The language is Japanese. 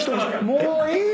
もういい！